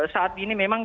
saat ini memang